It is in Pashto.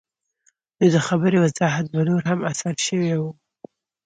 نو د خبرې وضاحت به نور هم اسان شوے وۀ -